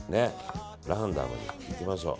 ランダムにいきましょう。